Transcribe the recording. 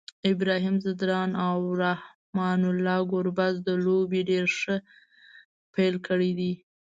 ابراهیم ځدراڼ او رحمان الله ګربز د لوبي ډير ښه پیل کړی دی